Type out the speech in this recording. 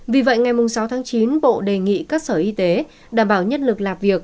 vì vậy ngày sáu tháng chín bộ đề nghị các sở y tế đảm bảo nhất lực lạp việc